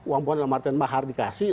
uang buang yang mahar dikasih